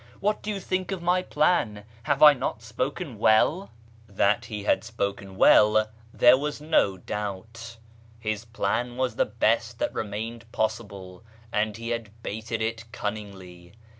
What do you think of my plan ? Have I not spoken well ?" That he had spoken w^ell there was no doubt ; his plan was the best that remained possible, and he had baited it cunningly.